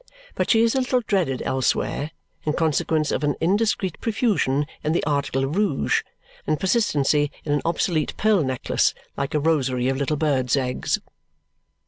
But she is a little dreaded elsewhere in consequence of an indiscreet profusion in the article of rouge and persistency in an obsolete pearl necklace like a rosary of little bird's eggs.